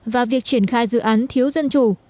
và việc triển khai dự án thiếu dân chủ